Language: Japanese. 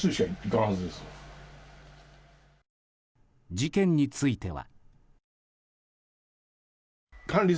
事件については。